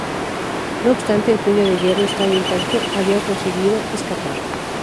No obstante, el Puño de Hierro estaba intacto, había conseguido escapar.